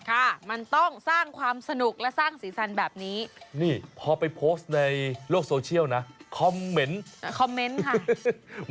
ค่ะมันต้องสร้างความสนุกและสร้างสีสันแบบนี้นี่พอไปโพสต์ในโลกโซเชียลนะคอมเมนต์คอมเมนต์ค่ะ